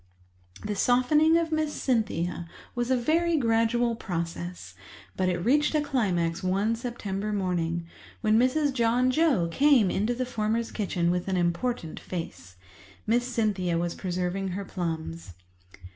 The softening of Miss Cynthia was a very gradual process, but it reached a climax one September morning, when Mrs. John Joe came into the former's kitchen with an important face. Miss Cynthia was preserving her plums.